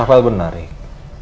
kamu tuh jangan gegabah sekarang